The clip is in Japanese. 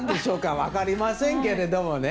分かりませんけれどもね。